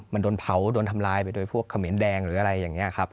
มันโดนเผาโดนทำลายไปโดยพวกเขมรแดงหรืออะไรอย่างนี้ครับ